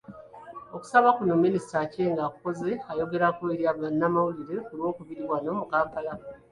Okusaba kuno, Minisita Aceng akukoze ayogerako eri bannamawulire ku Lwokubiri wano mu Kampala.